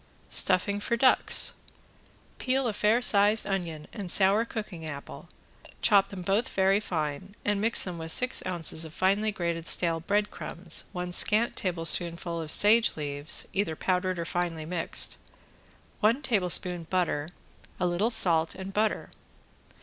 ~STUFFING FOR DUCKS~ Peel a fair size onion and sour cooking apple, chop them both very fine, and mix them with six ounces of finely grated stale breadcrumbs, one scant tablespoonful of sage leaves either powdered or finely mixed, one tablespoon butter, a little salt and butter.